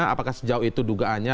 apakah sejauh itu dugaannya